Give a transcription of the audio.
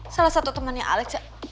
salah satu temennya alex